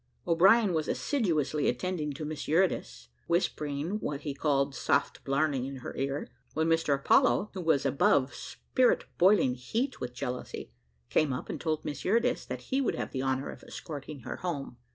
O'Brien was assiduously attending to Miss Eurydice, whispering what he called soft blarney in her ear, when Mr Apollo, who was above spirit boiling heat with jealousy, came up, and told Miss Eurydice that he would have the honour of escorting her home.